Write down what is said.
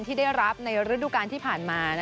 ที่ได้รับในฤดูการที่ผ่านมา